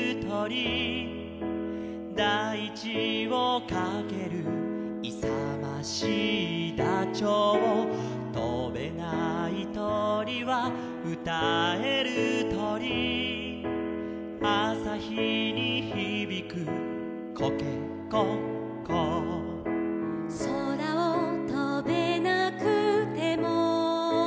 「だいちをかける」「いさましいダチョウ」「とべないとりはうたえるとり」「あさひにひびくコケコッコー」「そらをとべなくても」